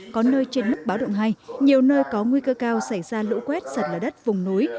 có nơi trên mức báo động hai nhiều nơi có nguy cơ cao xảy ra lũ quét sạt lở đất vùng núi